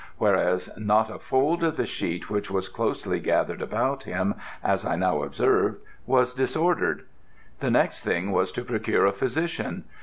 whereas not a fold of the sheet which was closely gathered about him, as I now observed, was disordered. The next thing was to procure a physician.